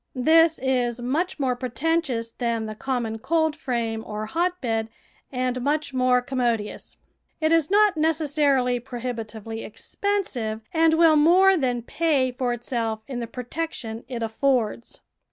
This is much more preten tious than the common coldframe or hotbed and much more commodious. It is not necessarily pro hibitively expensive, and will more than pay for itself in the protection it affords.